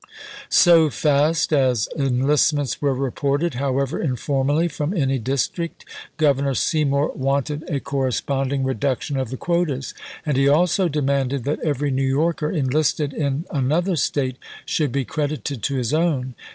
So fast as enlistments were reported, however informally, from any district, Governor Seymour wanted a cor responding reduction of the quotas, and he also demanded that every New Yorker enlisted in an other State should be credited to his own.